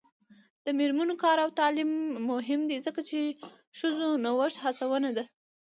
د میرمنو کار او تعلیم مهم دی ځکه چې ښځو نوښت هڅونه ده.